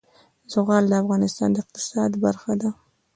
زغال د افغانستان د اقتصاد برخه ده.